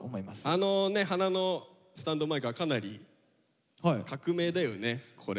あのね花のスタンドマイクはかなり革命だよねこれ。